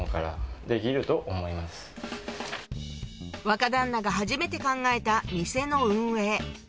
若旦那が初めて考えた店の運営